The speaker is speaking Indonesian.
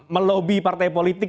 melobby partai politik